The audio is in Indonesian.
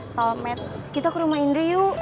so matt kita ke rumah indri yuk